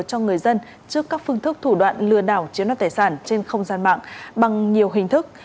cho người dân trước các phương thức thủ đoạn lừa đảo chiếm đoạt tài sản trên không gian mạng bằng nhiều hình thức